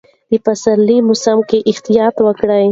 د پسرلي موسم کې احتیاط وکړئ.